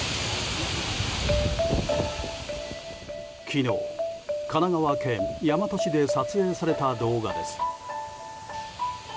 昨日、神奈川県大和市で撮影された動画です。